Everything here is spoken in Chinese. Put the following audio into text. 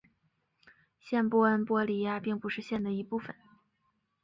县治恩波里亚并不是县的一部分。